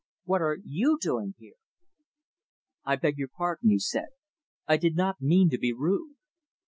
What are you doing here?" "I beg your pardon," he said. "I did not mean to be rude."